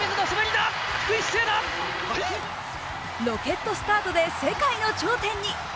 ロケットスタートで世界の頂点に。